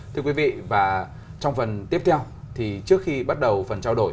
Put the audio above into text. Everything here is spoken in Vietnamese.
thưa quý vị và trong phần tiếp theo thì trước khi bắt đầu phần trao đổi